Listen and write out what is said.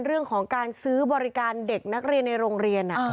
เรื่องของการซื้อบริการเด็กนักเรียนในโรงเรียน